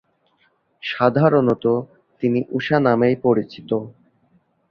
সাধারণত তিনি উষা নামেই পরিচিত।